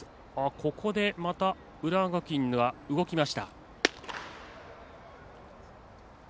ここで、浦和学院が動きました。